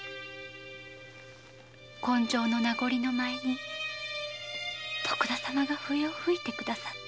今生の名残の舞に徳田様が笛を吹いて下さった。